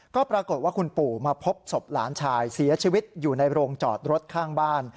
ก็ปรากฏว่าคุณปู่มาพบศพหลานชายเสียชีวิตอยู่ในโรงจอดรถข้างบ้าน